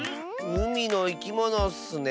うみのいきものッスね。